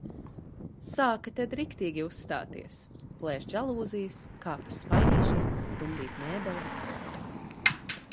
Sāka tad riktīgi uzstāties – plēst žalūzijas, kāpt uz spainīšiem, stumdīt mēbeles.